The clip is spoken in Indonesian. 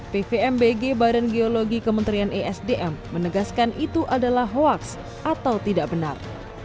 pvmbg badan geologi kementerian esdm menegaskan itu adalah hoaks atau tidak benar